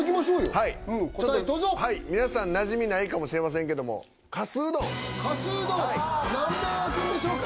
はいうん答えをどうぞ皆さんなじみないかもしれませんけどもかすうどん何面あくんでしょうか？